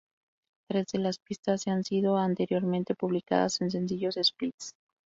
Tres de las pistas se han sido anteriormente publicadas en sencillos splits.